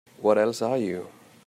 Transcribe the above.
What else are you?